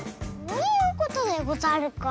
そういうことでござるか。